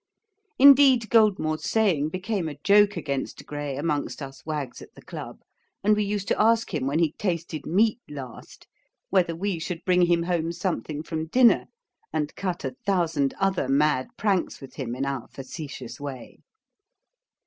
Indeed, Goldmore's saying became a joke against Gray amongst us wags at the Club, and we used to ask him when he tasted meat last? whether we should bring him home something from dinner? and cut a thousand other mad pranks with him in our facetious way.